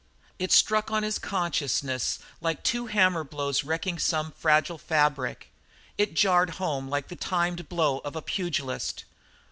It struck on his consciousness like two hammer blows wrecking some fragile fabric; it jarred home like the timed blow of a pugilist.